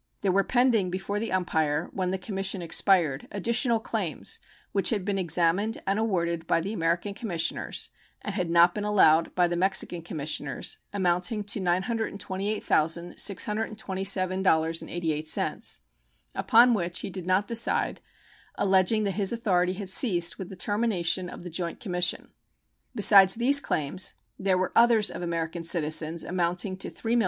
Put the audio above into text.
There were pending before the umpire when the commission expired additional claims, which had been examined and awarded by the American commissioners and had not been allowed by the Mexican commissioners, amounting to $928,627.88, upon which he did not decide, alleging that his authority had ceased with the termination of the joint commission. Besides these claims, there were others of American citizens amounting to $3,336,837.